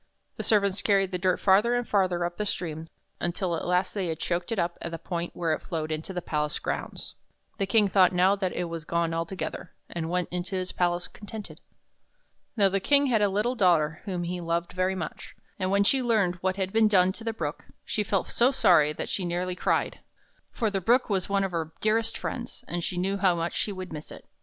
The servants carried the dirt farther and farther up the stream, until ht last they had choked it up at the point where it flowed into the palace grounds. The King thought now that it was gone altogether, and went into his palace con tented. Now the King had a little daughter, whom he loved very much; and when she learned what had been done to the Brook, she felt so sorry that she nearly cried. For the Brook was one of her dearest friends, and she knew how much she would miss it.